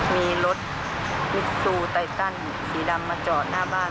มีรถบิ๊กซูไตตันสีดำมาจอดหน้าบ้าน